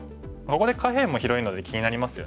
ここで下辺も広いので気になりますよね。